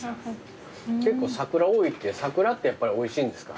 結構サクラ多いってサクラってやっぱりおいしいんですか？